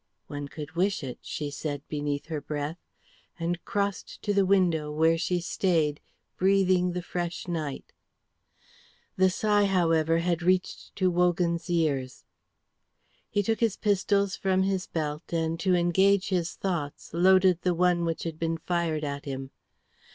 "One could wish it," she said beneath her breath, and crossed to the window where she stayed, breathing the fresh night. The sigh, however, had reached to Wogan's ears. He took his pistols from his belt, and to engage his thoughts, loaded the one which had been fired at him.